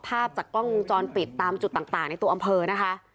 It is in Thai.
ภาพจากกล้องวงจรปิดตามจุดต่างในตัวอำเภอนะคะ